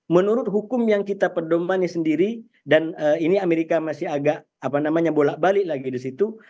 menurut hukum yang kita perdomani sendiri dan ini amerika masih agak apa namanya bolak balik lagi di situ